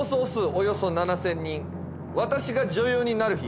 およそ７０００人「私が女優になる日」